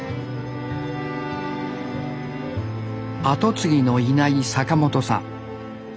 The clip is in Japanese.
後継ぎのいない坂本さん。